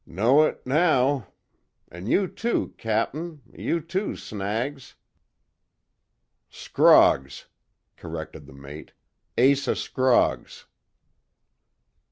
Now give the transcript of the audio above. Know it now an' you, too, Cap an' you, too, Snaggs." "Scroggs," corrected the mate, "Asa Scroggs."